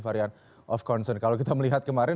varian of concern kalau kita melihat kemarin